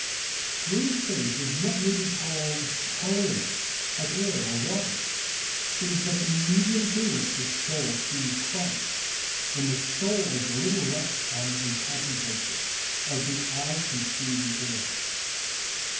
True faith is what may be called colourless, like air or water ; it is but the medium through which the soul sees Christ, and the soul as little rests on it and contemplates it, as the eye can see the air.